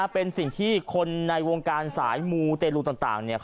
เป็นสิ่งที่คนในวงการสายมูเตรียมลูกต่าง